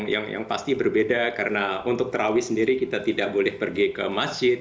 yang pasti berbeda karena untuk terawih sendiri kita tidak boleh pergi ke masjid